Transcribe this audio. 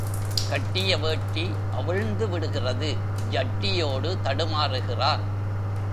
கட்டிய வேட்டி அவிழ்ந்துவிடுகிறது ஜட்டியோடு தடுமாறுகிறான்.